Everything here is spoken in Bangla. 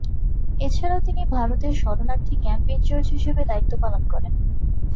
এছাড়াও তিনি ভারতে শরণার্থী ক্যাম্প ইনচার্জ হিসেবে দায়িত্ব পালন করেন।